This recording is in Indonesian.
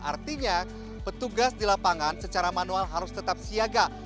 artinya petugas di lapangan secara manual harus tetap siaga